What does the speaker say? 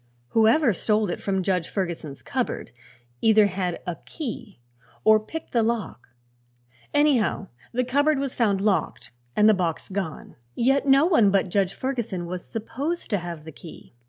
Whoever stole it from Judge Ferguson's cupboard either had a key or picked the lock; anyhow the cupboard was found locked and the box gone. Yet no one but Judge Ferguson was supposed to have the key.